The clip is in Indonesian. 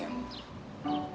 gak usah deh